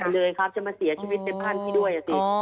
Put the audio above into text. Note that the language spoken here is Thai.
ด้วยครับจะมาเสียชีวิตทั้งผ่านพี่ด้วย